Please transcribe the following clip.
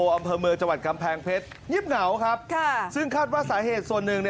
อำเภอเมืองจังหวัดกำแพงเพชรเงียบเหงาครับซึ่งคาดว่าสาเหตุส่วนหนึ่ง